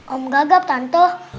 om gagap tante